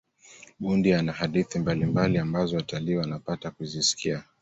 bundi ana hadithi mbalimbali ambazo watalii wanapata kuzisikia